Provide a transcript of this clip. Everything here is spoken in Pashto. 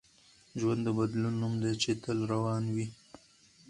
ژوند د بدلون نوم دی چي تل روان وي.